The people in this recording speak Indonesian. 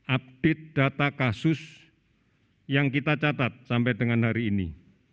update data kasus yang kita catat sampai dengan hari ini